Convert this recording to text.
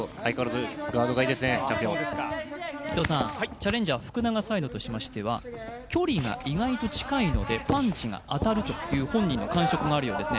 チャレンジャー、福永サイドとしては、距離が意外と近いのでパンチが当たるという本人の感触があるようですね。